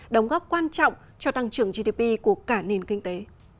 đóng góp quan trọng cho tăng trưởng gdp của cả nền kinh tế